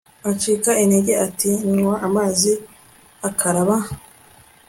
acika intege at nywa amazi akaraba